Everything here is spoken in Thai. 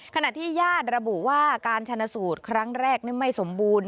ขณะที่ญาติระบุว่าการชนะสูตรครั้งแรกไม่สมบูรณ